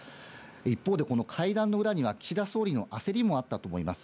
一方で会談の裏には岸田総理の焦りもあったと思います。